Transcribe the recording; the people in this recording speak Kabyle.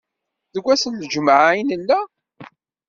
Deg ass n lǧemɛa i nella?